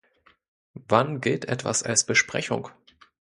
Wann gilt etwas als Besprechung?